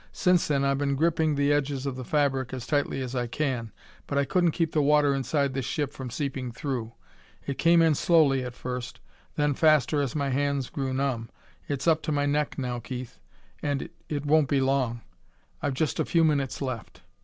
Since then I've been gripping the edges of the fabric as tightly as I can but I couldn't keep the water inside this ship from seeping through. It came in slowly at first, then faster as my hands grew numb. It's up to my neck now, Keith ... and it won't be long! I've just a few minutes left...."